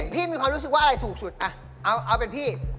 มีความรู้สึกว่าอะไรถูกสุดเอาเป็นพี่